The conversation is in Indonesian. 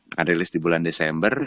akan rilis di bulan desember